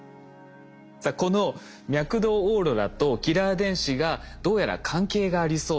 さあこの脈動オーロラとキラー電子がどうやら関係がありそうだ。